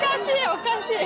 おかしい！